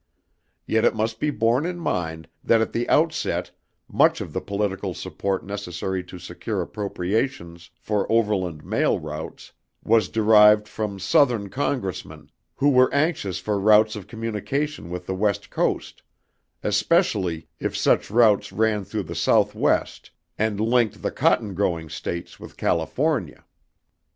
Yet it must be borne in mind that at the outset much of the political support necessary to secure appropriations for overland mail routes was derived from southern congressmen who were anxious for routes of communication with the West coast, especially if such routes ran through the Southwest and linked the cotton growing states with California.